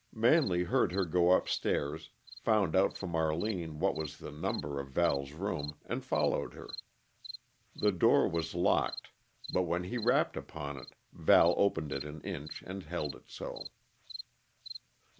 Manley heard her go up stairs, found out from Arline what was the number of Val's room, and followed her. The door was locked, but when he rapped upon it Val opened it an inch and held it so.